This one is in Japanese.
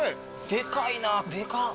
でかいなでかっ。